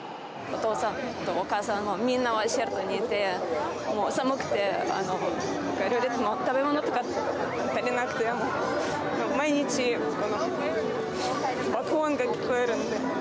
お父さんとお母さんと、みんなシェルターにいて、もう寒くて、食べ物とか足りなくて、毎日、爆音が聞こえるんで。